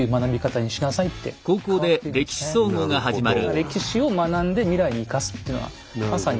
歴史を学んで未来に生かすっていうのはまさに。